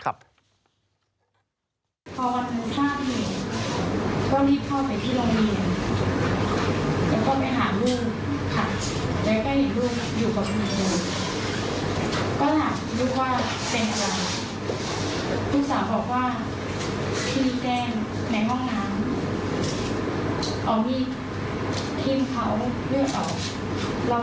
พูดโกหกเราก็พยายามไม่อยากให้มันเป็นกล้วยกิ่ง